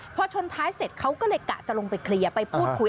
พอชนท้ายเสร็จเขาก็เลยกะจะลงไปเคลียร์ไปพูดคุย